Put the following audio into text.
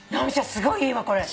すごいいいわこれ。